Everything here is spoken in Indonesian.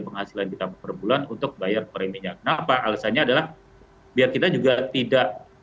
penghasilan kita perbulan untuk bayar preminyak kenapa alasannya adalah biar kita juga tidak